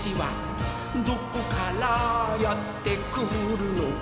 「どこからやってくるの？」